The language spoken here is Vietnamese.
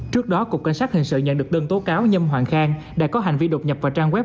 trước đó cục cảnh sát hình sự nhận được đơn tố cáo nhâm hoàng khang đã có hành vi đột nhập vào trang web